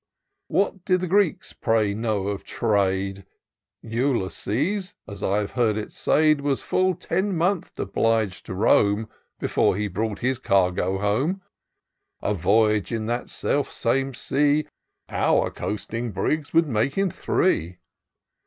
What did the Grefeks, pray, know of trade ? Ulysses, as I've heard it said. IN SEARCH OF THE PICTURESQUE. 325 Was full ten months oblig'd to roam. Before he brought his cargo home : A voyage in that self same sea, Our coasting brigs would make in three.